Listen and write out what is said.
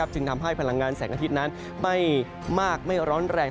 จึงทำให้พลังงานแสงอาทิตย์นั้นไม่มากไม่ร้อนแรง